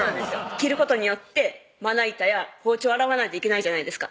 切ることによってまな板や包丁洗わないといけないじゃないですか